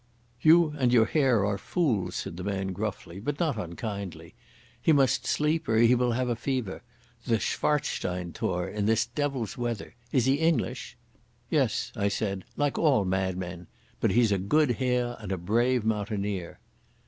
"You and your Herr are fools," said the man gruffly, but not unkindly. "He must sleep or he will have a fever. The Schwarzsteinthor in this devil's weather! Is he English?" "Yes," I said, "like all madmen. But he's a good Herr, and a brave mountaineer."